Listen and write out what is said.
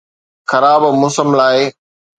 خراب موسم لاء